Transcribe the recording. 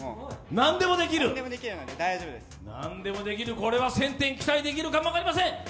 何でもできる、これは１０００点期待できるかも分かりません。